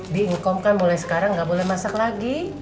di income kan mulai sekarang gak boleh masak lagi